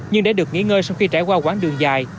nhưng để được nghỉ ngơi sau khi trải qua quãng đường dài